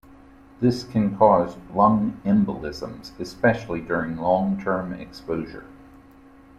This can cause lung embolisms, especially during long-term exposure.